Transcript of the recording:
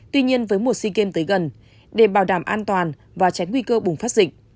tuy nhiên với mùa sikim tới gần để bảo đảm an toàn và tránh nguy cơ bùng phát dịch